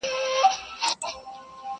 له هغې ورځي پيشو له ما بېرېږي؛